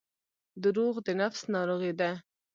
• دروغ د نفس ناروغي ده.